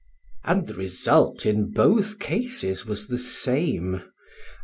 And the result in both cases was the same.